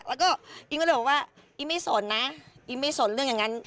แล้วก็อิ๊งก็เลยบอกว่าอิ๊งไม่สนนะอิ๊งไม่สนเรื่องอย่างนั้น